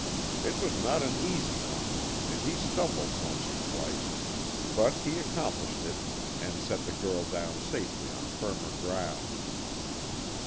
It was not an easy one, and he stumbled once or twice, but he accomplished it and set the girl down safely on firmer ground.